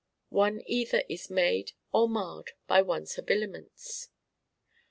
One either is made or marred by one's habiliments.